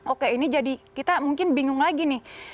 oke ini jadi kita mungkin bingung lagi nih